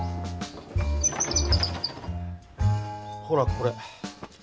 ほらこれ！